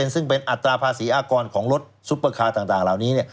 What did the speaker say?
ซึ่งเป็นอัตราภาษีอากรของรถซุปเปอร์คาร์ต่างเหล่านี้